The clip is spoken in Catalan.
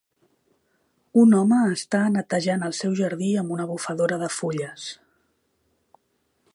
Un home està netejant el seu jardí amb una bufadora de fulles